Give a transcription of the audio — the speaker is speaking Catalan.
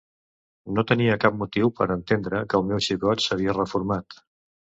No tenia cap motiu per a entendre que el meu xicot s'havia reformat.